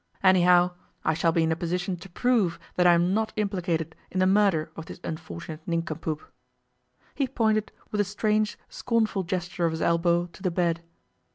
Anyhow, I shall be in a position to prove that I am not implicated in the murder of this unfortunate nincompoop.' He pointed, with a strange, scornful gesture of his elbow, to the bed.